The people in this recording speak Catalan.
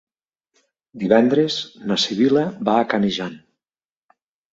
Divendres na Sibil·la va a Canejan.